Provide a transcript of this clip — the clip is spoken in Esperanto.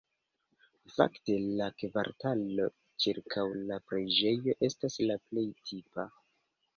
Fakte la kvartalo ĉirkaŭ la preĝejo estas la plej tipa.